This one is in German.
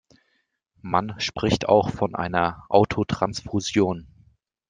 Man spricht auch von einer Autotransfusion.